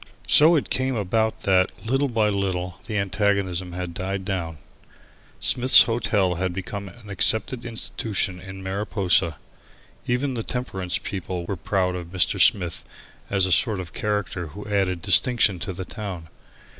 So it came about that, little by little, the antagonism had died down. Smith's Hotel became an accepted institution in Mariposa. Even the temperance people were proud of Mr. Smith as a sort of character who added distinction to the town.